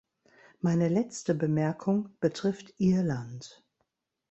Meine letzte Bemerkung betrifft Irland.